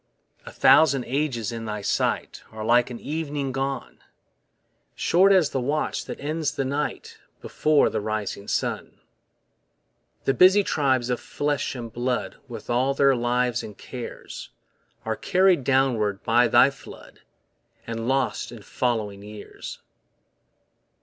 A thousand ages in thy sight Are like an evening gone; Short as the watch that ends the night Before the rising sun. The busy tribes of flesh and blood With all their lives and cares Are carried downwards by thy flood, And lost in following years.